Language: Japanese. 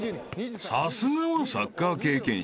［さすがはサッカー経験者］